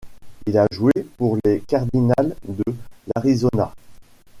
Il a joué pour les Cardinals de l'Arizona.